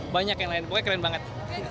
banyak yang lain pokoknya keren banget